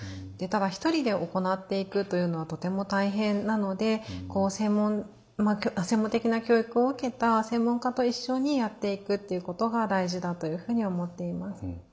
ただ一人で行っていくというのはとても大変なので専門的な教育を受けた専門家と一緒にやっていくっていうことが大事だというふうに思っています。